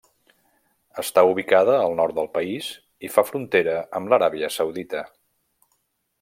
Està ubicada al nord del país i fa frontera amb l'Aràbia Saudita.